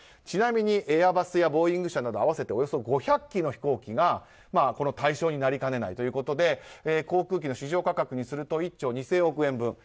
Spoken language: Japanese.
ちなみにエアバスやボーイング社など合わせておよそ５００機の飛行機が対象になりかねないということで航空機の市場価格にすると１兆２０００億円分。